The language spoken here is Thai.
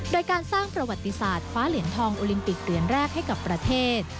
โดยการสร้างประวัติศาสตร์คว้าเหรียญทองโอลิมปิกเหรียญแรกให้กับประเทศ